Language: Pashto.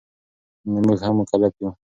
نو مونږ هم مکلف یو